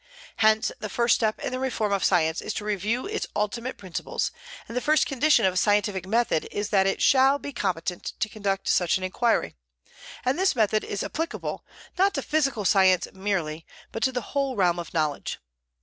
Hence, the first step in the reform of science is to review its ultimate principles; and the first condition of a scientific method is that it shall be competent to conduct such an inquiry; and this method is applicable, not to physical science merely, but to the whole realm of knowledge.